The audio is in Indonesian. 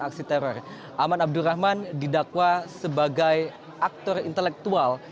aksi teror aman abdurrahman didakwa sebagai aktor intelektual